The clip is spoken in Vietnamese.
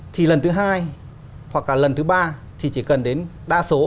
thì lần thứ hai hoặc là lần thứ ba thì chỉ cần đến đa số